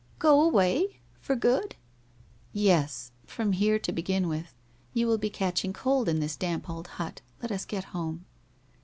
' Go away ? For good ?'* Yes. From here, to begin with. You will be catching cold in this damp old hut, let us get home.'